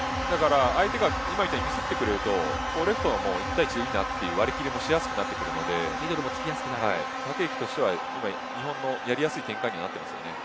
相手が今みたいについてくれるとレフトは一対一でいい。という割り切りもしやすくなってくるので日本としては、やりやすい展開になっていますね。